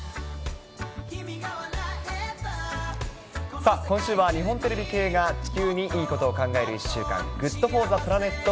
さあ、今週は日本テレビ系が地球にいいことを考える１週間、ＧｏｏｄＦｏｒｔｈｅＰｌａｎｅｔ